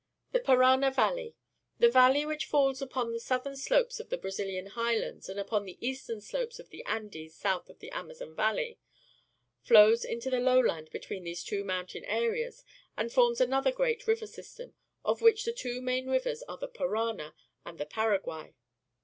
The Parana Valley. — The rain which falls upon the southern slopes of the Brazilian Highlands and upon the eastern slopes of the Andes south of the Amazon ^'alley flows into the lowland between these two mountain areas and forms another great river sj'stem, of which the two main rivers are the Parana and the Paraguay.